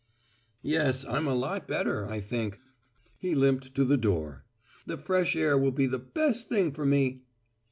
"Yes, I'm a lot better, I think." He limped to the door. "The fresh air will be the best thing for me."